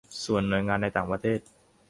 ส่วนหน่วยงานในต่างประเทศ